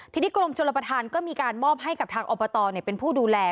ทีนี้กรมชนประธานก็มีการมอบให้กับทางอบตเป็นผู้ดูแล